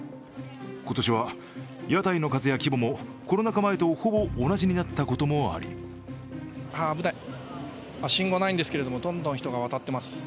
今年は屋台の数や規模もコロナ禍前とほぼ同じになったこともあり危ない、信号ないんですけどどんどん人が渡っていきます。